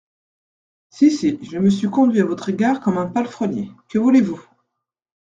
Si, si, je me suis conduit à votre égard comme un palefrenier… que voulez-vous !